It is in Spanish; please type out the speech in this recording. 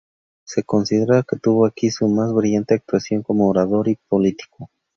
Se considera que tuvo aquí su más brillante actuación como orador y político.